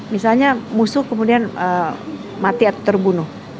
misalnya musuh kemudian mati atau terbunuh